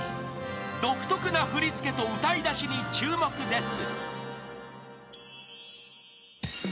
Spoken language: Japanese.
［独特な振り付けと歌い出しに注目です］